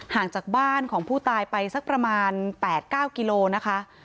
ห่างจากบ้านของผู้ตายไปสักประมาณ๘๙กิโลนะคะ